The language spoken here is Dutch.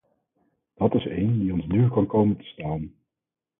Dat is een die ons duur kan komen te staan.